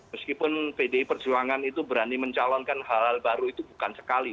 meskipun pdi perjuangan itu berani mencalonkan hal hal baru itu bukan sekali